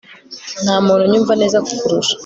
ntamuntu unyumva neza kukurusha